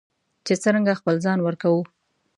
چې څرنګه خپل ځان ورکوو.